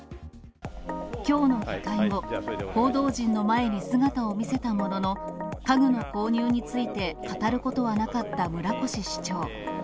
きょうの議会後、報道陣の前に姿を見せたものの、家具の購入について語ることはなかった村越市長。